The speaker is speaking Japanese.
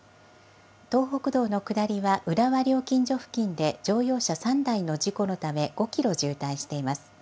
東北道の下りは浦和料金所付近で乗用車３台の事故のため、５キロ渋滞しています。